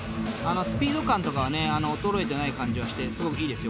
スピード感とかはね衰えてない感じがしてすごくいいですよ